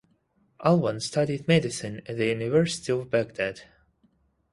Alwan studied medicine at the University of Baghdad.